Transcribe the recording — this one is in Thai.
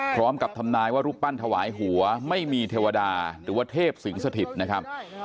พร้อมกับทำนายว่ารูปปั้นถวายหัวไม่มีเทวดาหรือว่าเทพสิงสถิตนะครับ